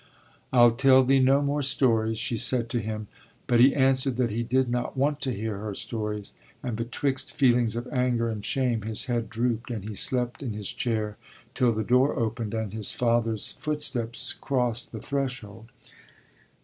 I'll tell thee no more stories, she said to him, but he answered that he did not want to hear her stories, and betwixt feelings of anger and shame his head drooped, and he slept in his chair till the door opened and his father's footsteps crossed the threshold.